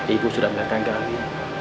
ibu sudah melihatkan gali